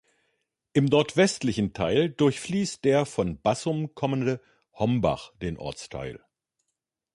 Im nordwestlichen Teil durchfließt der von Bassum kommende Hombach den Ortsteil.